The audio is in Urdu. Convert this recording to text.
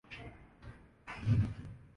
اپنے اوزار کی کٹ اٹھائے باہر نکل جاتا ہے